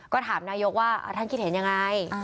ก็ถามนายกว่าท่านคิดเห็นยังไง